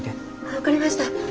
分かりました。